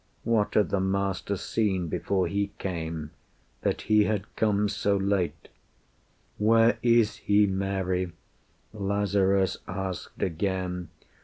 What had the Master seen before He came, That He had come so late? "Where is He, Mary?" Lazarus asked again.